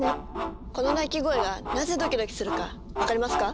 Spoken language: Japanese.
この鳴き声がなぜドキドキするか分かりますか？